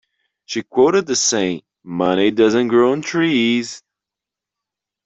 She quoted the saying: money doesn't grow on trees.